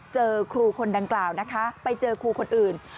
เจอครูคนดังกล่าวนะคะไปเจอครูคนอื่น